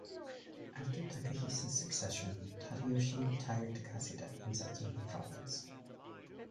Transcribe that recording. After Takahisa's succession, Tadayoshi retired to Kaseda in Satsuma Province.